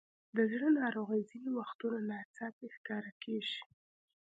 د زړه ناروغۍ ځینې وختونه ناڅاپي ښکاره کېږي.